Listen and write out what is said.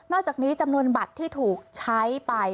จากนี้จำนวนบัตรที่ถูกใช้ไป